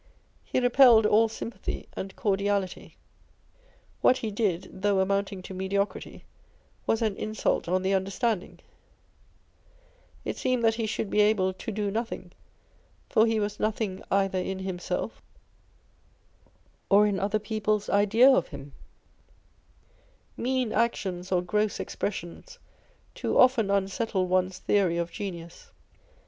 lie repelled all sympathy and cordiality. What he did (though amounting to mediocrity) was an insult on the understanding. It seemed that he should be able to do nothing; for he was nothing either in himself or in other 1 Probably Godwin is the person meant here. â€" Ed. On Envy. 135 s people's idea of him ! Mean actions or gross expression? too often unsettle one's theory of genius.